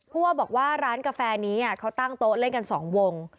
ว่าบอกว่าร้านกาแฟนี้เขาตั้งโต๊ะเล่นกัน๒วง